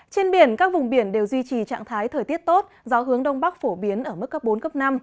trên biển các vùng biển đều duy trì trạng thái thời tiết tốt gió hướng đông bắc phổ biến ở mức cấp bốn cấp năm